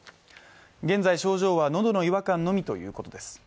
現在症状はのどの違和感のみということです